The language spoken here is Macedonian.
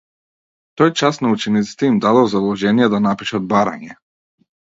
Тој час на учениците им дадов задолжение да напишат барање.